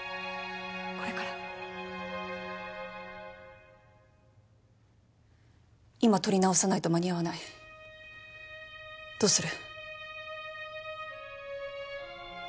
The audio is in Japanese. これから今録り直さないと間に合わないどうする？